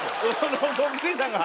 そっくりさんが。